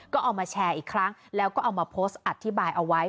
ก็เอามาแชร์อีกครั้งแล้วก็เอามาโพสต์อธิบายเอาไว้